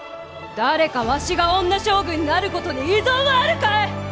誰かわしが女将軍になることに異存はあるかえ！